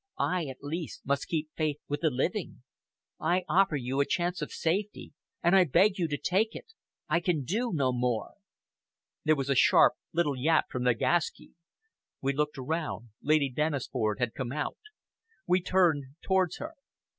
I, at least, must keep faith with the living. I offer you a chance of safety, and I beg you to take it. I can do no more." There was a sharp, little yap from Nagaski. We looked around, Lady Dennisford had come out. We turned towards her.